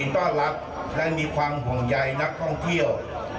ต้อนรับและมีความห่วงใยนักท่องเที่ยว